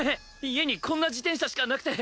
家にこんな自転車しかなくて。